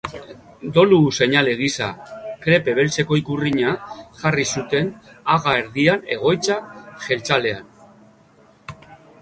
Dolu seinale gisa, krepe beltzeko ikurriña jarri zuten haga erdian egoitza jeltzalean.